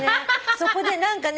そこで何かね